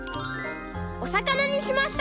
おさかなにしました！